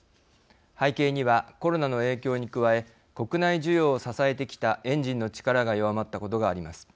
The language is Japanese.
背景には、コロナの影響に加え国内需要を支えてきたエンジンの力が弱まったことがあります。